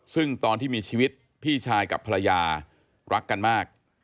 ซึ่งตอนที่มีชีวิตพี่ชายกับภรรยารักกันมาก